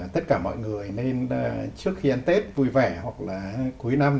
tất cả mọi người nên trước khi ăn tết vui vẻ hoặc là cuối năm